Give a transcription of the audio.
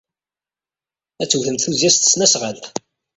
Ad d-tewtemt tuzzya s tesnasɣalt.